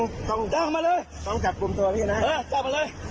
งั้นพี่ผมต้องจ้างมาเลยต้องกัดกลุ่มตัวพี่นะเออกลับมาเลย